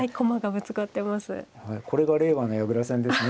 これが令和の矢倉戦ですね。